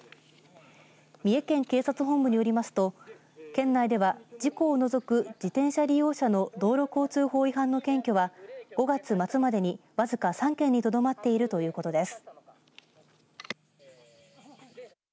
三重県警察本部によりますと県内では事故を除く自転車利用者の道路交通法違反の検挙は５月末までに僅か３件にとどまっているということです。